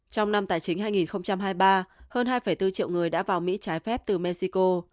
trong năm tài chính hai nghìn hai mươi ba hơn hai bốn triệu người đã vào mỹ trái phép từ mexico